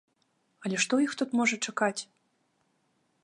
Але што іх тут можа чакаць?